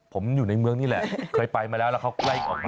ผมอยู่ในเมืองนี่แหละเคยไปมาแล้วแล้วเขาไล่ออกมา